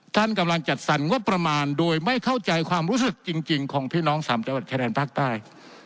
ท่านกำลังจัดสรรงบประมาณโดยไม่เข้าใจความรู้สึกจริงของพี่น้องสามจังหวัดชายแดนภาคใต้